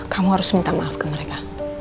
kamu harus minta maaf ke mereka